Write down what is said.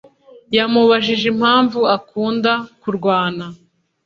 yamubajije impamvu akunda kurwana